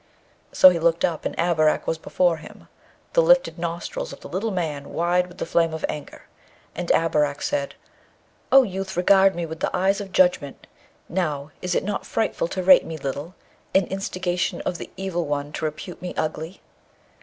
So he looked up, and Abarak was before him, the lifted nostrils of the little man wide with the flame of anger. And Abarak said, 'O youth, regard me with the eyes of judgement! Now, is it not frightful to rate me little? an instigation of the evil one to repute me ugly?'